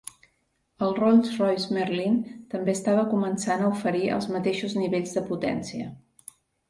El Rolls-Royce Merlin també estava començant a oferir els mateixos nivells de potència.